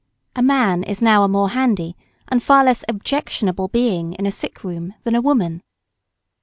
A man is now a more handy and far less objectionable being in a sick room than a woman.